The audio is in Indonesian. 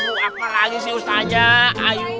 ada paradise saja ayo